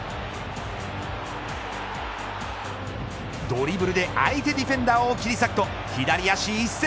ドリブルで相手ディフェンダーを切り裂くと左足一閃。